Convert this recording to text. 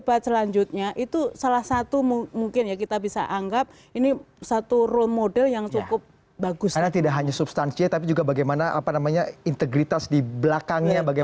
maksudnya mereka harus mengerti